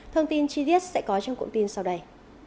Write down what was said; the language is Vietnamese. thông tin chi tiết sẽ có trong cụm tin sau đây